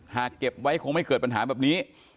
เก็บไว้คงไม่เกิดปัญหาแบบนี้